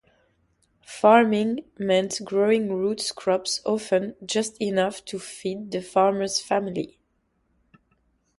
Farming meant growing root crops-often just enough to feed the farmer's family.